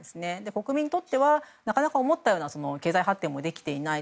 国民にとっては思ったより経済発展もできていない。